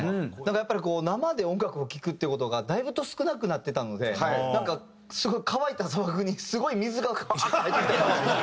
やっぱりこう生で音楽を聴くっていう事がだいぶと少なくなってたのでなんかすごい乾いた砂漠にすごい水がガーッて入ってきた感じ。